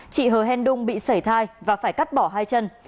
chị hờ hèn đung bị xảy thai và phải cắt bỏ hai chân